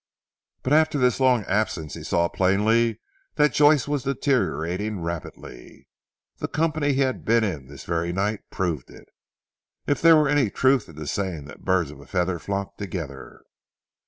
But after this long absence he saw plainly that Joyce was deteriorating rapidly. The company he had been in this very night proved it, if there were any truth in the saying that birds of a feather flock together.